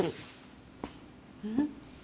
うん？